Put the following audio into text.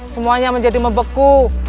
semuanya menjadi mebeku